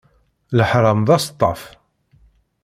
Leḥṛam d aseṭṭaf.